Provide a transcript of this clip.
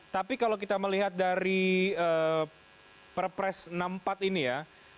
tapi kalau kita melihat dari perpres enam puluh empat ini ya